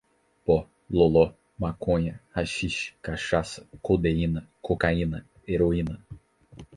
Pó, loló, maconha, haxixe, cachaça, codeína, cocaína, heroína